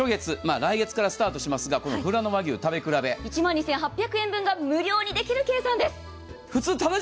来月からスタートしますが、ふらの和牛食べ比べ、１万２８００円分が無料にできる計算です。